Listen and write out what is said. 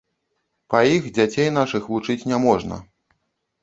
Па іх дзяцей нашых вучыць няможна.